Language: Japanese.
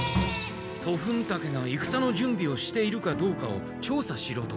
トフンタケがいくさの準備をしているかどうかを調査しろと？